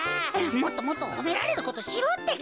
もっともっとほめられることしろってか。